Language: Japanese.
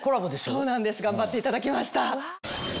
そうなんです頑張っていただきました。